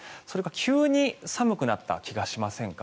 急に寒くなった気がしませんか？